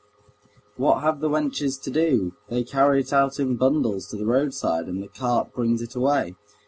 "What have the wenches to do? They carry it out in bundles to the roadside, and the cart brings it away."